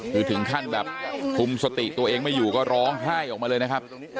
คือถึงขั้นแบบคุมสติตัวเองไม่อยู่ก็ร้องไห้ออกมาเลยนะครับ